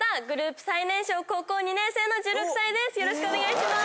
よろしくお願いします。